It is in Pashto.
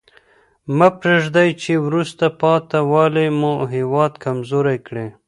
مه پرېږدئ چي وروسته پاته والي مو هېواد کمزوری کړي.